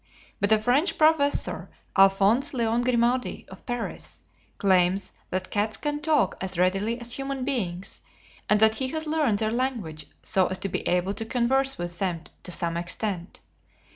But a French professor, Alphonse Léon Grimaldi, of Paris, claims that cats can talk as readily as human beings, and that he has learned their language so as to be able to converse with them to some extent.